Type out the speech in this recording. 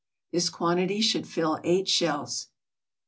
This quantity should fill eight shells.